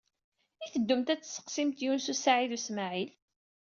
I teddumt ad tesseqsimt Yunes u Saɛid u Smaɛil?